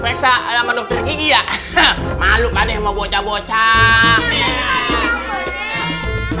rasa atom tidak malu kadek membaca bocah